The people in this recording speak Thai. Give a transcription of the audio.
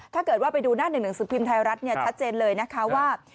ถ้าเกิดว่าไปดูหน้าหนึ่งหนังสือพิมพ์ไทยรัฐชัดเจนเลยนะคะว่า